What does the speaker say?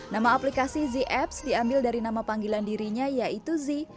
nama aplikasi z apps diambil dari nama panggilan dirinya yaitu zi